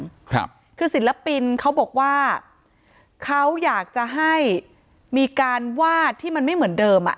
ครับคือศิลปินเขาบอกว่าเขาอยากจะให้มีการวาดที่มันไม่เหมือนเดิมอ่ะ